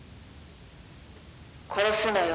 「殺すのよ」